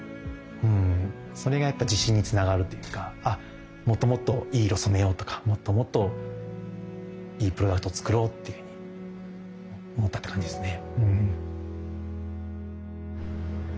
それがやっぱ自信につながるというかもっともっといい色染めようとかもっともっといいプロダクトを作ろうっていうふうに思ったって感じですね。